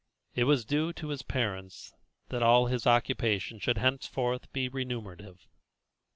It was due to his parents that all his occupation should henceforth be remunerative.